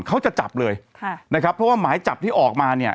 เขาจะจับเลยค่ะนะครับเพราะว่าหมายจับที่ออกมาเนี่ย